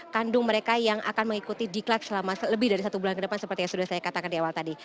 kandung mereka yang akan mengikuti diklat selama lebih dari satu bulan ke depan seperti yang sudah saya katakan di awal tadi